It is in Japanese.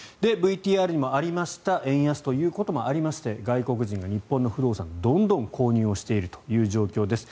ＶＴＲにもありました円安ということもありまして外国人が日本の不動産をどんどん購入しているという状況です。